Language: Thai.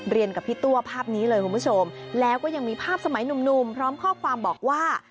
กับพี่ตัวภาพนี้เลยคุณผู้ชมแล้วก็ยังมีภาพสมัยหนุ่มพร้อมข้อความบอกว่า